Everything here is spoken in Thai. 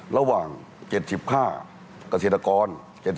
ระหว่าง๗๕กระเศรษฐกร๗๕